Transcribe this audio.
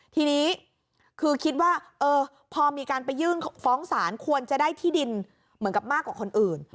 ทีนี้คือคิดว่าพอมีการไปยื่นฟ้องศาลควรจะได้ที่ดินเหมือนกับมากกว่าคนอื่น